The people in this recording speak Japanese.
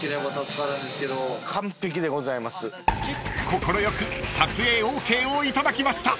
［快く撮影ＯＫを頂きました］